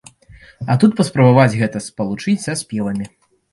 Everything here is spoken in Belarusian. А тут паспрабаваць гэта спалучыць са спевамі.